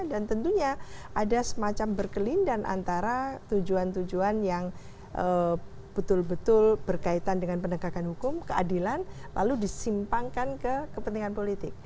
dan tentunya ada semacam berkelindahan antara tujuan tujuan yang betul betul berkaitan dengan penegakan hukum keadilan lalu disimpangkan ke kepentingan politik